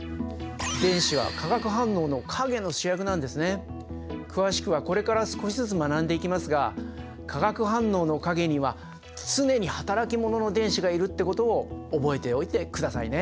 例えば詳しくはこれから少しずつ学んでいきますが化学反応の陰には常に働き者の電子がいるってことを覚えておいてくださいね。